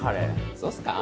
そうっすか？